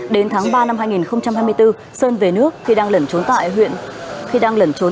đến tháng ba năm hai nghìn hai mươi bốn sơn về nước khi đang lẩn trốn tại thành phố thủ đức thành phố hồ chí minh